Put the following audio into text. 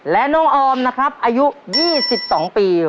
และน้องออมนะครับอายุยี่สิบสองปี